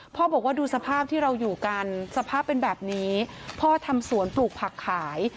บอกว่าดูสภาพที่เราอยู่กันสภาพเป็นแบบนี้พ่อทำสวนปลูกผักขาย